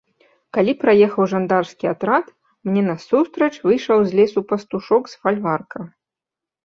Калі праехаў жандарскі атрад, мне насустрач выйшаў з лесу пастушок з фальварка.